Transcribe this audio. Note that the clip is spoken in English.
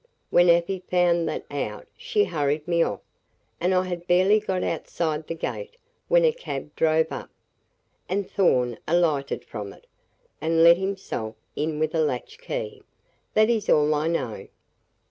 When Afy found that out she hurried me off, and I had barely got outside the gate when a cab drove up, and Thorn alighted from it, and let himself in with a latch key. That is all I know."